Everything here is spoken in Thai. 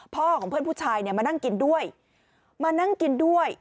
ของเพื่อนผู้ชายเนี่ยมานั่งกินด้วยมานั่งกินด้วย